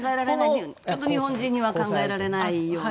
ちょっと日本人には考えられないような。